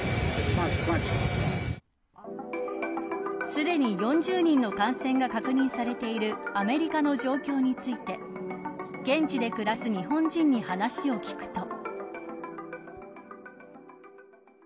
すでに４０人の感染が確認されているアメリカの状況について現地で暮らす日本人に話を聞くと。